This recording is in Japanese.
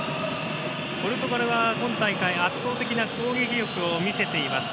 ポルトガルが今大会圧倒的な攻撃力を見せています。